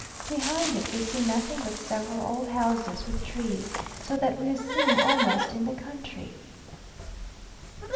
Behind it we see nothing but several old houses, with trees, so that we seem almost in the country.